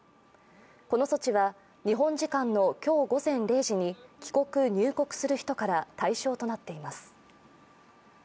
この措置は、日本時間の今日午前０時に帰国・入国する人から、対象になっています。